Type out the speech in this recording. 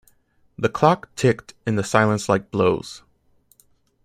The clock ticked in the silence like blows.